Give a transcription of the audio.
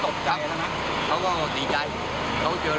กัปตันอะเค้ามีเผลอชูชีด